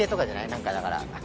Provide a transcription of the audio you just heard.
何かだから。